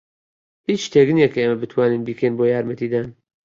هیچ شتێک نییە کە ئێمە بتوانین بیکەین بۆ یارمەتیدان.